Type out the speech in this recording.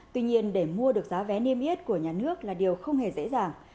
tuy nhiên để mua được giá vé niêm yết của nhà nước là điều không hề dễ dàng